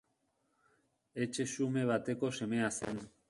Etxe xume bateko semea zen.